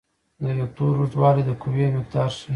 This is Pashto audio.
د وکتور اوږدوالی د قوې مقدار ښيي.